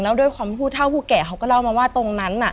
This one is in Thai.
แล้วด้วยความผู้เท่าผู้แก่เขาก็เล่ามาว่าตรงนั้น